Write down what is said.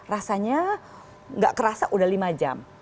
rasanya tidak kerasa sudah lima jam